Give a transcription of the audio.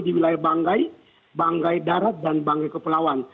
di wilayah banggai banggai darat dan banggai kepulauan